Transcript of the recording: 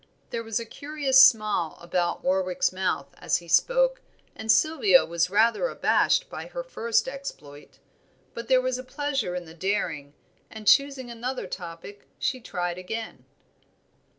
There was a curious smile about Warwick's mouth as he spoke, and Sylvia was rather abashed by her first exploit. But there was a pleasure in the daring, and choosing another topic she tried again.